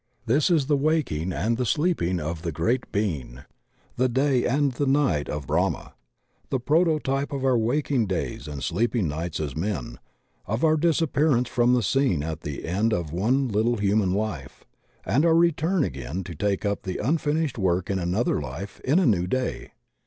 This is the waking and the sleeping of the Great Being; the Day and the Night of Brahma; the proto type of our waking days and sleeping nights as men, of our disappearance from the scene at the end of one little himian life, and our return again to take up the imfinished work in another life, in a new day.